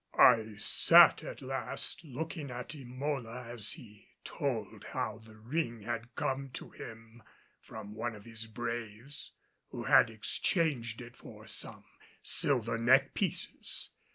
I sat at last, looking at Emola as he told how the ring had come to him from one of his braves, who had exchanged it for some silver neck pieces.